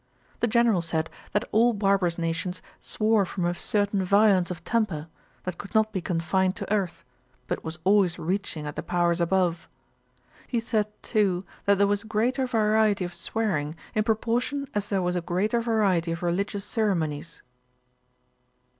The General said, that all barbarous nations swore from a certain violence of temper, that could not be confined to earth, but was always reaching at the powers above. He said, too, that there was greater variety of swearing, in proportion as there was a greater variety of religious ceremonies.